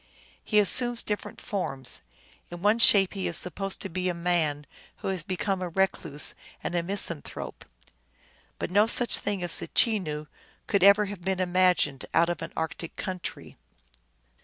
He assumes different forms ; in one shape he is supposed to be a man who has become a recluse and a misanthrope. But no such being as a Chenoo could ever have been imagined out of an arctic country.